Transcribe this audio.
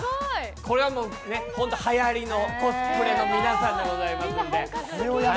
これは、はやりのコスプレの皆さんでございますので。